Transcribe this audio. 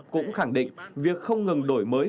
cũng khẳng định việc không ngừng đổi mới